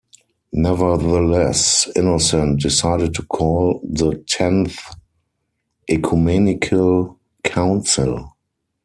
Nevertheless, Innocent decided to call the tenth ecumenical council.